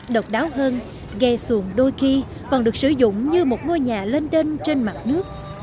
độc đáo hơn ghe xuồng đôi khi còn được sử dụng như một ngôi nhà lên đên trên mặt nước